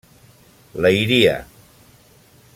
Leiria.